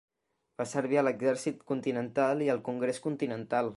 Va servir a l'Exèrcit Continental i al Congrés Continental.